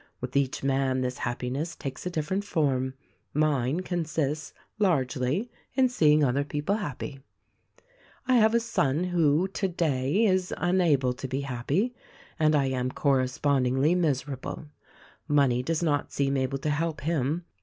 With each man this happiness takes a different form — mine consists, largely, in seeing other people happy. I have a son who, today, is unable to be happy — and I am correspondingly miserable. Money docs not seem able to help him.